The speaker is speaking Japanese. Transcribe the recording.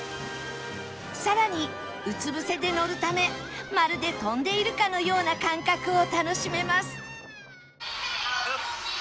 さらにうつ伏せで乗るためまるで飛んでいるかのような感覚を楽しめます